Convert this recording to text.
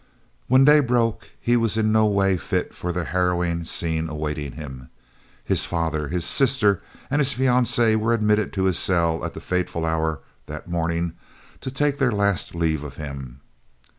When day broke he was in no way fit for the harrowing scene awaiting him. His father, his sister, and his fiancée were admitted to his cell at the fateful hour that morning, to take their last leave of him.